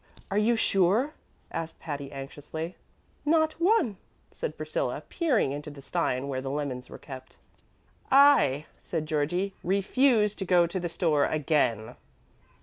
"Are you sure?" asked Patty, anxiously. "Not one," said Priscilla, peering into the stein where the lemons were kept. "I," said Georgie, "refuse to go to the store again."